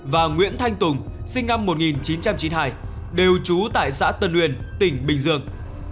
và nguyễn thanh tùng sinh năm một nghìn chín trăm chín mươi hai đều trú tại xã tân uyên tỉnh bình dương